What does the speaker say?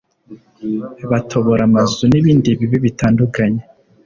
batobora amazu n’ibindi bibi bitandukanye